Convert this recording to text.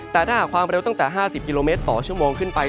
แต่ถ้าหากความเร็วตั้งแต่๕๐กิโลเมตรต่อชั่วโมงขึ้นไป